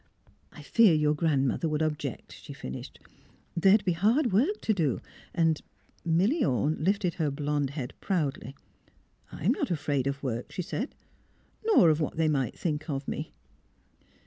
'* I fear your grandmother would object," she finished. '' There would be hard work to do, and " Milly Ome lifted her blond head proudly. 98 THE HEART OF PHILUEA ''I'm not afraid of work," she said, '' nor of what they might think of me."